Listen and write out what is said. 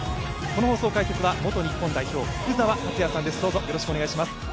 この放送解説は元日本代表、福澤達哉さんです。